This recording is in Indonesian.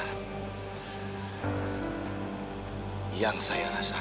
kau tidak perlu takut sama saya